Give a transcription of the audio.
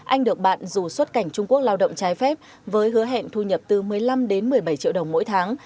anh được bạn dù xuất cảnh trung quốc lao động trái phép với hứa hẹn thu nhập từ một mươi năm đến một mươi bảy triệu đồng mỗi tháng